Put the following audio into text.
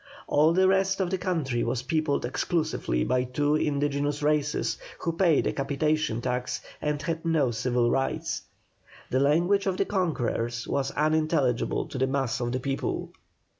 All the rest of the country was peopled exclusively by two indigenous races, who paid a capitation tax, and had no civil rights. The language of the conquerors was unintelligible to the mass of the people.